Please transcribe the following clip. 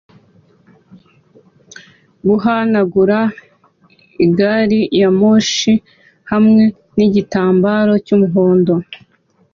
guhanagura gari ya moshi hamwe nigitambaro cyumuhondo